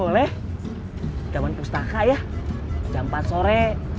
sore jaman pustaka ya jam empat sore